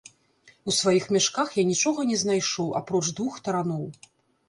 У сваіх мяшках я нічога не знайшоў, апроч двух тараноў.